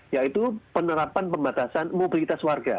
yaitu penerapan pembatasan mobilitas warga